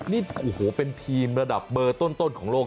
นี่โอ้โหเป็นทีมระดับเบอร์ต้นของโลก